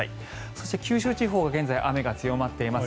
そして九州地方は現在、雨が強まっています。